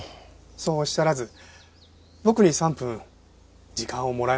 そうおっしゃらず僕に３分時間をもらえませんか？